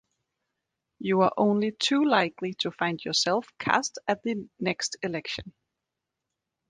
You are only too likely to find yourself cast at the next election.